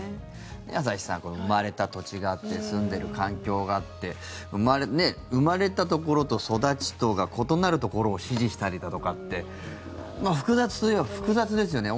朝日さん生まれた土地があって住んでる環境があって生まれたところと育ちとが異なるところを支持したりだとかって複雑といえば複雑ですよね。